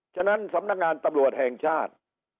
ฉะนั้นสำนักงานตำรวจแห่งชาติ